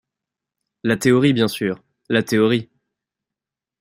La théorie bien sûr, la théorie.